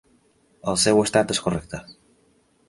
El seu estat és correcte.